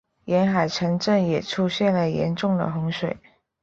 沿海城镇也出现了严重的洪水。